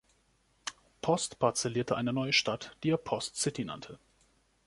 Post parzellierte eine neue Stadt, die er Post City nannte.